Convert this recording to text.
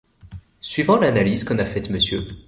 Suivant l'analyse qu'en a faite Mr.